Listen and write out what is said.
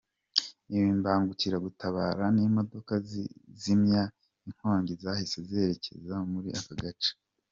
Imbangukiragutabara n’imodoka zizimya inkongi zahise zerekeza muri aka gace.